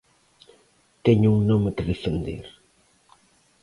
Teño un nome que defender...